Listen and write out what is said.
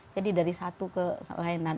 jadi dari satu ke lain